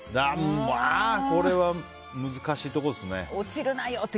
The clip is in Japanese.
これは、難しいところですね。